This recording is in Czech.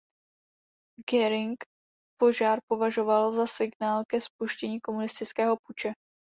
Göring požár považoval za signál ke spuštění komunistického puče.